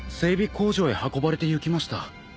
工場へ運ばれてゆきました。